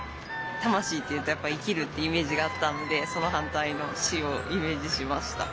「たましい」というとやっぱり生きるってイメージがあったのでそのはんたいの「し」をイメージしました。